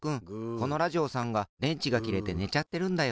このラジオさんがでんちがきれてねちゃってるんだよ。